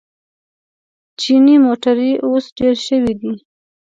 چیني موټرې اوس ډېرې شوې دي.